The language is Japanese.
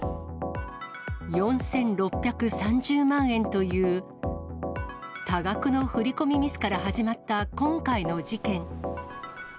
４６３０万円という多額の振り込みミスから始まった今回の事件。